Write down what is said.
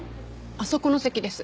あそこの席です。